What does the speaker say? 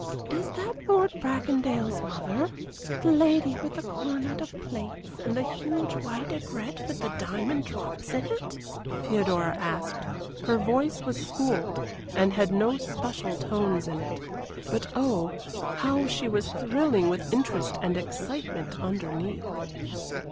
"Is that Lord Bracondale's mother the lady with the coronet of plaits and the huge white aigrette with the diamond drops in it?" Theodora asked. Her voice was schooled, and had no special tones in it. But oh, how she was thrilling with interest and excitement underneath!